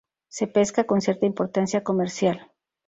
Se pesca con cierta importancia comercial.